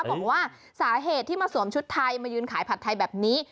บอกว่าสาเหตุที่มาสวมชุดไทยมายืนขายผัดไทยแบบนี้